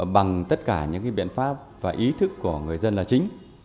bằng tất cả những biện pháp và ý thức của người dân là chính